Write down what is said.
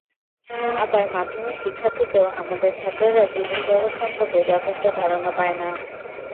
আবার মাধ্যমিক শিক্ষা থেকেও আমাদের ছাত্ররা জীবন-জগৎ সম্পর্কে যথেষ্ট ধারণা পায় না।